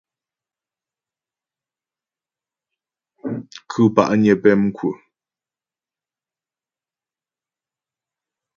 Khʉ̂ pa'nyə pɛmkwə.